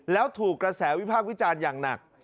แล้วถูกกระแสวิพากษ์วิจารณ์อย่างหนัก